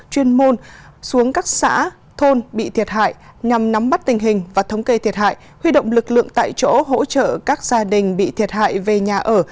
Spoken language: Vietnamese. chuyên môn xuống các xã thôn bị thiệt hại nhằm nắm bắt tình hình và thống kê thiệt hại huy động lực lượng tại chỗ hỗ trợ các gia đình bị thiệt hại về nhà ở